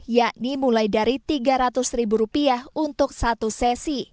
yakni mulai dari rp tiga ratus ribu rupiah untuk satu sesi